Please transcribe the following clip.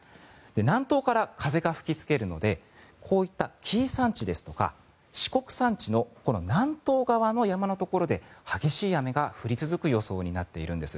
南東から風が吹きつけるのでこういった紀伊山地ですとか四国山地の南東側の山のところで激しい雨が降り続く予想になっているんです。